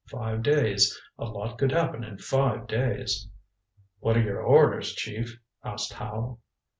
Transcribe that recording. Five days. A lot could happen in five days " "What are your orders, Chief?" asked Howe.